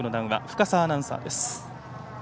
深沢アナウンサーです。